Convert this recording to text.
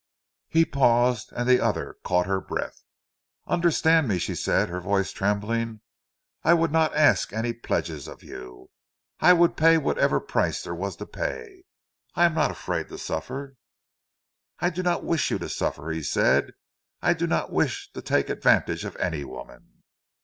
He paused, and the other caught her breath. "Understand me," she said, her voice trembling. "I would not ask any pledges of you. I would pay whatever price there was to pay—I am not afraid to suffer." "I do not wish you to suffer," he said. "I do not wish to take advantage of any woman."